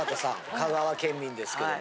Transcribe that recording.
香川県民ですけども。